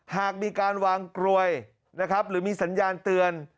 หากมีการวางกลวยนะครับหรือมีสัญญาณเตือน